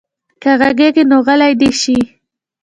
که غږېږي نو غلی دې شي.